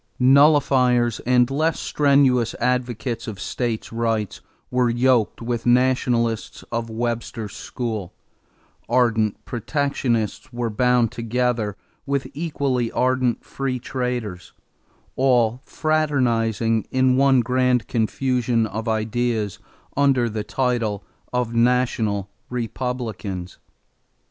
Nullifiers and less strenuous advocates of states' rights were yoked with nationalists of Webster's school; ardent protectionists were bound together with equally ardent free traders, all fraternizing in one grand confusion of ideas under the title of "National Republicans."